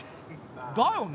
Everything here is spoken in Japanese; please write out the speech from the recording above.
だよね。